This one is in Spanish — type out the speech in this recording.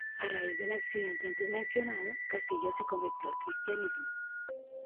A raíz del accidente antes mencionado, Castillo se convirtió al cristianismo.